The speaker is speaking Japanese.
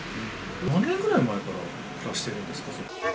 何年ぐらい前から暮らしてるんですか？